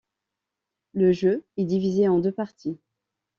Le jeu est divisé en deux parties.